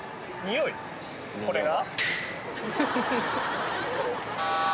これが？